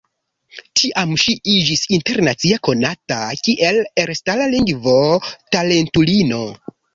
Tiam ŝi iĝis internacie konata kiel elstara lingvo-talentulino.